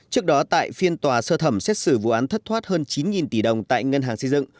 trước đó tại phiên tòa sơ thẩm xét xử vụ án thất thoát hơn chín tỷ đồng tại ngân hàng xây dựng